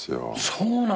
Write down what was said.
そうなんだ？